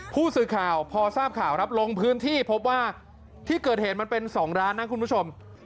ผู้สื่อข่าวพอทราบข่าวครับลงพื้นที่พบว่าที่เกิดเหตุมันเป็น๒ร้านนะคุณผู้ชม